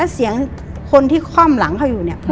ซ้อนก็มึงว่ามันบังบละ